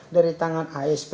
dari tangan asp